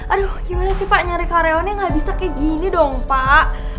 aduh gimana sih pak nyari karyawannya gak bisa kayak gini dong pak